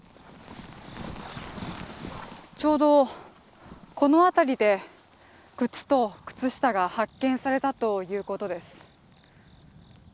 ちょうどこの辺りで靴と靴下が発見されたということです。